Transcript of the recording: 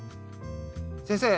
先生。